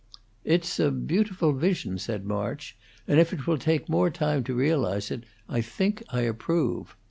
"It's a beautiful vision," said March, "and if it will take more time to realize it I think I approve.